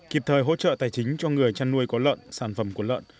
kịp thời hỗ trợ tài chính cho người chăn nuôi có lợn sản phẩm của lợn